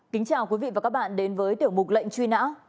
kính chào quý vị và các bạn đến với tiểu mục lệnh truy nã